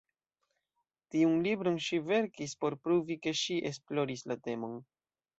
Tiun libron ŝi verkis por pruvi ke ŝi esploris la temon.